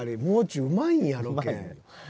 もう中うまいんやロケ。